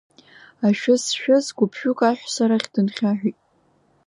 Ашәы зшәыз гәыԥҩык аҳәса рахь дынхьаҳәит.